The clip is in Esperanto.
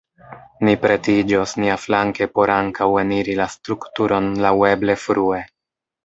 Ni pretiĝos niaflanke por ankaŭ eniri la strukturon laŭeble frue.